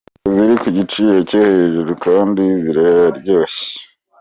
Ntabwo ziri ku giciro cyo hejuru kandi ziraryoshye.